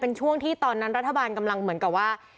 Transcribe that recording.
เป็นช่วงที่ตอนนั้นรัฐบาลกำลังเหมือนกับว่า